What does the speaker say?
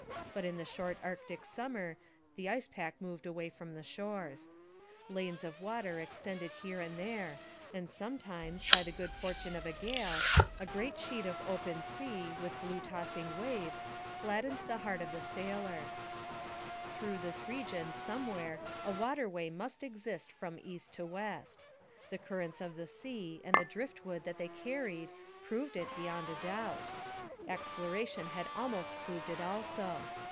But in the short Arctic summer the ice pack moved away from the shores. Lanes of water extended here and there, and sometimes, by the good fortune of a gale, a great sheet of open sea with blue tossing waves gladdened the heart of the sailor. Through this region somewhere a water way must exist from east to west. The currents of the sea and the drift wood that they carried proved it beyond a doubt. Exploration had almost proved it also.